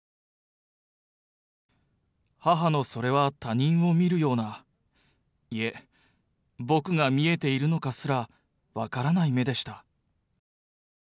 母のそれは他人を見るようないえ、僕が見えているのかすら分からない目でした。